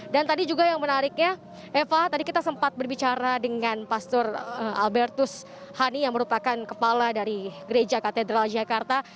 tadi juga yang menariknya eva tadi kita sempat berbicara dengan pastor albertus hani yang merupakan kepala dari gereja katedral jakarta